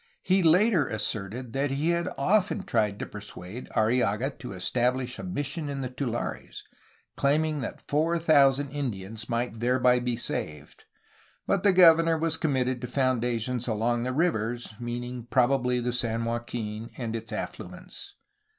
He later asserted that he had often tried to persuade Arrillaga to establish a mission in the tulares, claiming that four thousand Indians might thereby be saved, but the governor was committed to foundations along the rivers, — meaning probably the San Joaquin and its affluents.